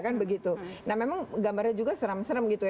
nah memang gambarnya juga serem serem gitu ya